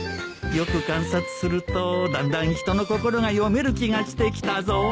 よく観察するとだんだん人の心が読める気がしてきたぞ